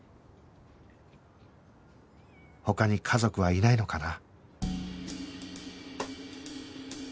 他に家族はいないのかな？